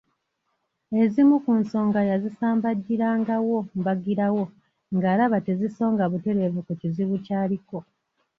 Ezimu ku nsonga yazisambajjirangawo mbagirawo ng’alaba tezisonga butereevu ku kizibu ky’aliko.